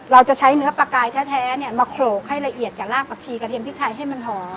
เราจะใช้เนื้อปลากายแท้มาโขลกให้ละเอียดกับรากผักชีกระเทียมพริกไทยให้มันหอม